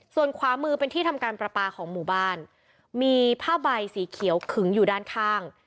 ส่วนขวามือเป็นที่ทำการประปาของหมู่บ้านมีผ้าใบสีเขียวขึงอยู่ด้านข้าง